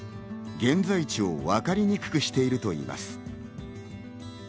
現在地をわかりにくくしているといいます。